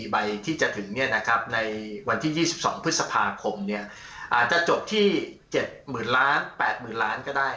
ใบที่จะถึงในวันที่๒๒พฤษภาคมอาจจะจบที่๗๐๐๘๐๐๐ล้านก็ได้